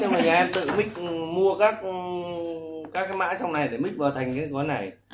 nhưng mà nhà em tự mix mua các cái mã trong này để mix vào thành cái gói này